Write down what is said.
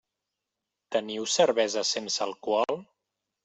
Teniu cervesa sense alcohol?